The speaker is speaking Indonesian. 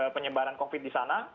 penyebaran covid sembilan belas di sana